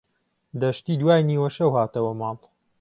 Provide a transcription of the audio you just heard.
دەشتی دوای نیوەشەو هاتەوە ماڵ.